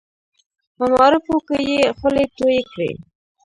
په معارفو کې یې خولې تویې کړې.